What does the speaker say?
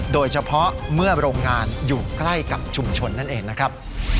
โดยเฉพาะเมื่อโรงงานอยู่ใกล้กับชุมชนนั่นเองนะครับ